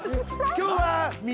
今日はね